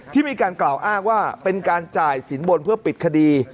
ที่มีการกล่าวอ้างว่าเป็นการจ่ายสินบนเพื่อปิดคดี